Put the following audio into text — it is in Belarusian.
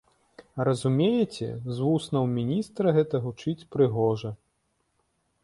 Разумееце, з вуснаў міністра гэта гучыць прыгожа.